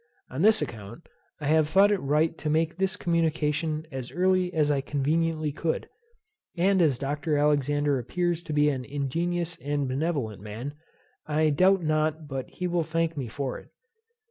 On this account, I have thought it right to make this communication as early as I conveniently could; and as Dr. Alexander appears to be an ingenuous and benevolent man, I doubt not but he will thank me for it.